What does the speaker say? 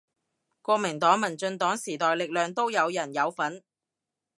國民黨民進黨時代力量都有人有份